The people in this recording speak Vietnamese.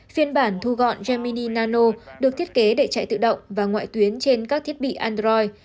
phiên bản thu gọn gen mini nano được thiết kế để chạy tự động và ngoại tuyến trên các thiết bị android